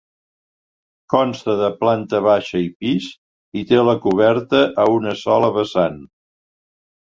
Consta de planta baixa i pis i té la coberta a una sola vessant.